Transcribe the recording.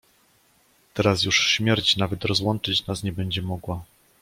"Teraz już śmierć nawet rozłączyć nas nie będzie mogła."